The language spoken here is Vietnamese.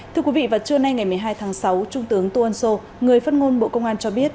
thưa quý vị vào trưa nay ngày một mươi hai tháng sáu trung tướng tô ân sô người phát ngôn bộ công an cho biết